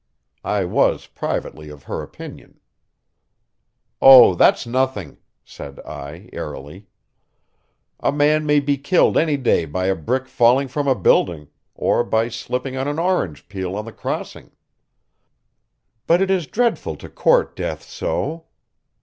I was privately of her opinion. "Oh, that's nothing," said I airily. "A man may be killed any day by a brick falling from a building, or by slipping on an orange peel on the crossing." "But it is dreadful to court death so.